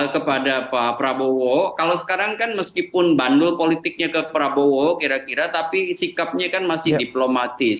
kepada pak prabowo kalau sekarang kan meskipun bandul politiknya ke prabowo kira kira tapi sikapnya kan masih diplomatis